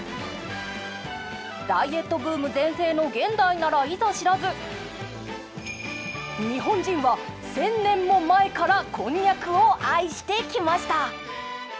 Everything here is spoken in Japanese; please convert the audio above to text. ダイエットブーム全盛の現代ならいざ知らず日本人は１，０００年も前からこんにゃくを愛してきました。